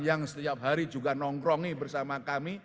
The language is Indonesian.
yang setiap hari juga nongkrongi bersama kami